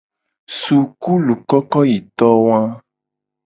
Sukulukokoyitowa.